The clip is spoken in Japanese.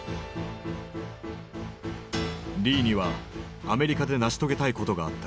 リーにはアメリカで成し遂げたいことがあった。